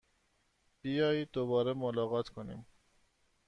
بیایید دوباره ملاقات کنیم!